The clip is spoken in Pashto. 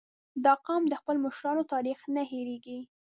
• دا قوم د خپلو مشرانو تاریخ نه هېرېږي.